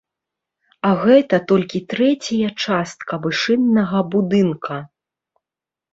А гэта толькі трэцяя частка вышыннага будынка.